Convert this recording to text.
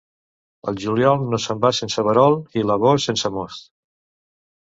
El juliol no se'n va sense verol, i l'agost, sense most.